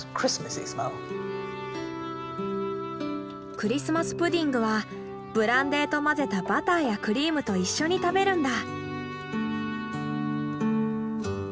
クリスマス・プディングはブランデーと混ぜたバターやクリームと一緒に食べるんだ。